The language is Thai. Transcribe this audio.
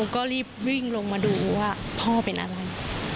ก็รีบวิ่งลงมาดูว่าพ่อเป็นอะไร